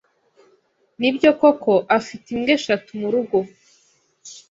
Nibyo koko afite imbwa eshatu murugo?